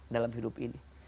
dalam hidup ini